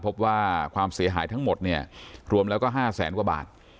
พบว่าความเสียหายทั้งหมดเนี่ยรวมแล้วก็๕แสนกว่าบาท